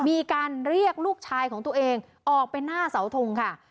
มีการเรียกลูกชายของตัวเองออกไปหน้าเสาทงค่ะ